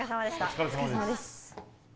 お疲れさまです